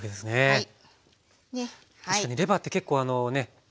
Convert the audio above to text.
はい。